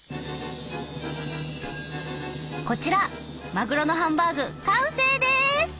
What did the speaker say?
こちらまぐろのハンバーグ完成です！